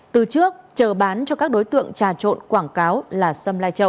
từ trước chờ bán cho các đối tượng trà trộn quảng cáo là xâm lai châu